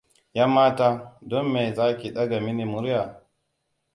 'Yan mata, don me zaki ɗaga mini murya?